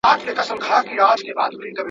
سل کلونه، زرکلونه، ډېر د وړاندي.